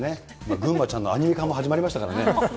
ぐんまちゃんのアニメ化も始まりましたからね。